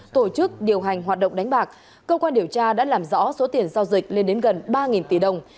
tổ chức điều hành hoạt động đánh bạc cơ quan điều tra đã làm rõ số tiền giao dịch lên đến gần ba tỷ đồng